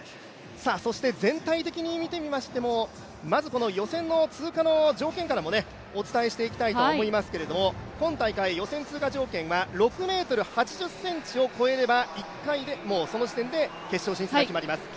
そして全体的に見てみましてもまずこの予選の通過の条件からお伝えしていきたいと思いますけれども本大会予選通過条件は６ｍ８０ｃｍを越えれば１回でその時点で、決勝進出が決まります。